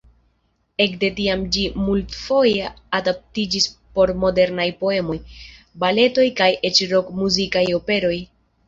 Ekde tiam ĝi multfoje adaptiĝis por modernaj poemoj, baletoj kaj eĉ rok-muzikaj operoj.